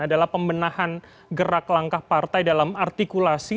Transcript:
adalah pembenahan gerak langkah partai dalam artikulasi